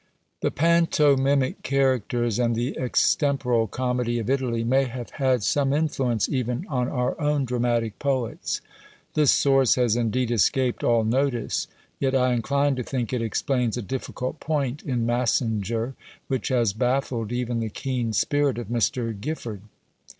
The pantomimic characters and the extemporal comedy of Italy may have had some influence even on our own dramatic poets: this source has indeed escaped all notice; yet I incline to think it explains a difficult point in Massinger, which has baffled even the keen spirit of Mr. Gifford.